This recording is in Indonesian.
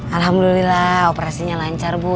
alhamdulillah operasinya lancar bu